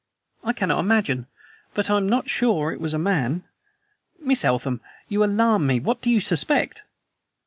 "I cannot imagine. But I am not sure it was a man." "Miss Eltham, you alarm me. What do you suspect?"